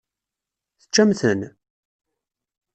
Teččam-ten?